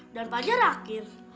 dan fajar akhir